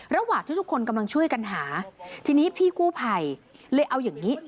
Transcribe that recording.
ระหว่างที่ทุกคนกำลังช่วยกันหาทีนี้พี่กู้ภัยเลยเอาอย่างนี้